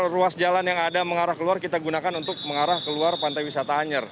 ruas jalan yang ada mengarah keluar kita gunakan untuk mengarah keluar pantai wisata anyer